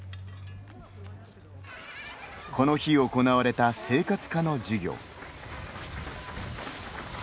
この日行われた生活科の授業。